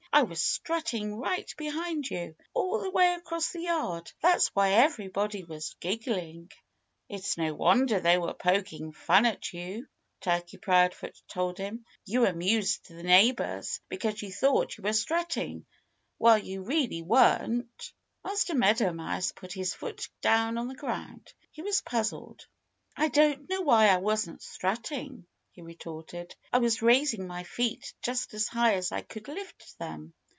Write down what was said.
"I was strutting right behind you, all the way across the yard. That's why everybody was giggling." "It's no wonder they were poking fun at you," Turkey Proudfoot told him. "You amused the neighbors because you thought you were strutting, while you really weren't." Master Meadow Mouse put his foot down on the ground. He was puzzled. "I don't know why I wasn't strutting," he retorted. "I was raising my feet just as high as I could lift them."